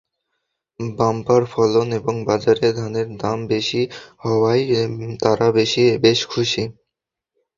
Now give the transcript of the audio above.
Bumper ফলন এবং বাজারে ধানের দাম বেশি হওয়ায় তাঁরা বেশ খুশি।